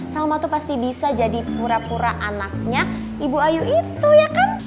salma tuh pasti bisa jadi pura pura anaknya ibu ayu itu ya kan